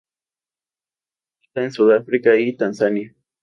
Habita en Sudáfrica y Tanzania.